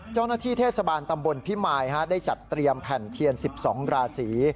เจ้าหน้าที่เทศบาลตำบลพิมายได้จัดเตรียมแผ่นเทียน๑๒ราศี